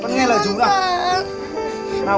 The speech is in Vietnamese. con nghe lời chú nào